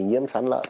nhiễm sán lợn